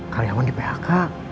karyawan di phk